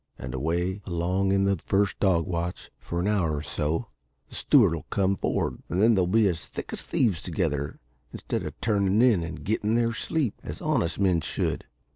And away along in the first dog watch, for an hour or so, the steward 'll come for'ard, and then they'll all be as thick as thieves together, instead of turnin' in and gettin' their sleep, as honest men should.